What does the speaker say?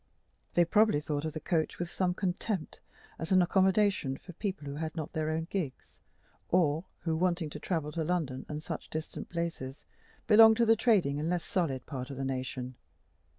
They probably thought of the coach with some contempt, as an accommodation for people who had not their own gigs, or who, wanting to travel to London and such distant places, belonged to the trading and less solid part of the nation.